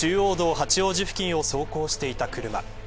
八王子付近を走行していた車。